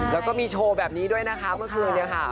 แล้วก็มีโชว์แบบนี้ด้วยนะคะเมื่อคืนเนี่ยค่ะ